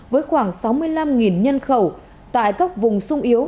với khoảng sáu mươi năm nhân khẩu tại các vùng sung yếu